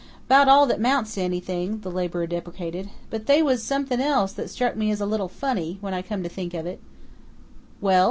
"'Bout all that 'mounts to anything," the laborer deprecated. "But they was somethin' else that struck me as a little funny, when I come to think of it " "Well?"